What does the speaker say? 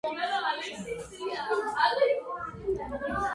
თეატრის რვა მოქმედ სცენაზე წლიურად ათასამდე სპექტაკლს წარმოადგენენ.